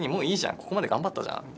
ここまで頑張ったじゃん。